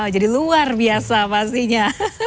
jadi luar biasa pastinya